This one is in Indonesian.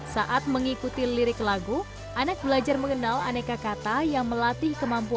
saat mengikuti lirik lagu anak belajar mengenal aneka kata yang melatih kemampuan